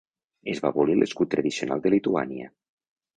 Es va abolir l'escut tradicional de Lituània.